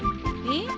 え？